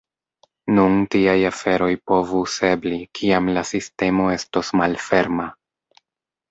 Nun tiaj aferoj povus ebli, kiam la sistemo estos malferma.